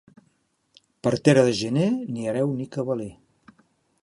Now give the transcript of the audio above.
Partera de gener, ni hereu ni cabaler.